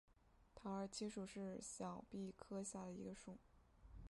桃儿七属是小檗科下的一个属。